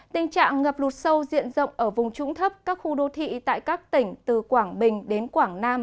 tình trạng ngập lụt sâu diện rộng ở vùng trũng thấp các khu đô thị tại các tỉnh từ quảng bình đến quảng nam